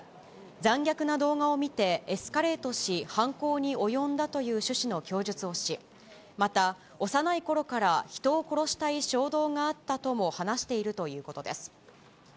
残虐な動画を見て、エスカレートし、犯行に及んだという趣旨の供述をし、また、幼いころから人を殺したい衝動があったとも話しているということです。